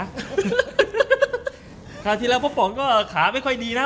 คราวที่แล้วพ่อป๋องก็ขาไม่ค่อยดีนะ